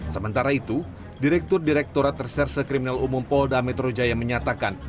sementara itu direktur direkturat reserse kriminal umum polda metro jaya menyatakan